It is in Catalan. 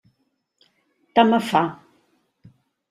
Tant me fa.